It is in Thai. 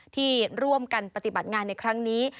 ที่ร่วมกันปฏิบัติงานในครั้งนี้